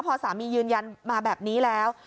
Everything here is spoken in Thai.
พอสามียืนยันมาแบบนี้แล้ว